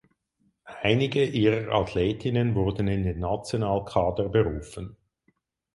Einige ihrer Athletinnen wurden in den Nationalkader berufen.